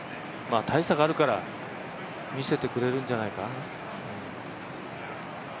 大差があるから、見せてくれるんじゃないかな。